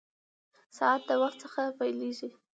ساعت د وخت څخه پېلېږي.